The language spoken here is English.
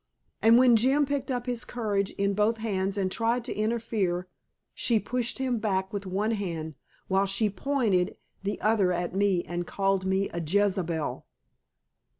And when Jim picked up his courage in both hands and tried to interfere, she pushed him back with one hand while she pointed the other at me and called me a Jezebel.